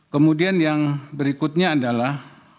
kemudian yang berikutnya adalah